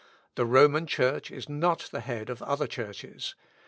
The Roman Church is not the head of other churches.